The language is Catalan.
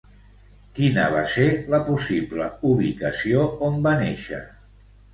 Quina va ser la possible ubicació on va néixer?